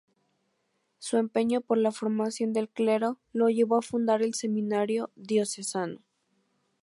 Su empeño por la formación del clero le llevó a fundar el seminario diocesano.